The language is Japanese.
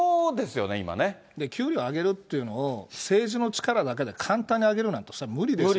給料上げるっていうのを、政治の力だけで簡単に上げるなんて、それは無理ですよ。